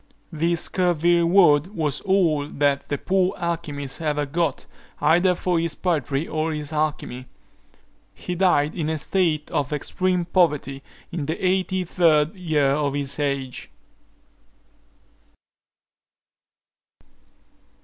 This scurvy reward was all that the poor alchymist ever got either for his poetry or his alchymy. He died in a state of extreme poverty, in the eighty third year of his age.